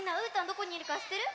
どこにいるかしってる？